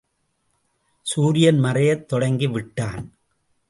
சூரியன் மறையத் தொடங்கி விட்டான்.